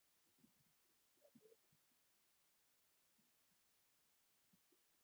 Ng'alyot ake tukul kopun inye ko poipoiyet eng' ane.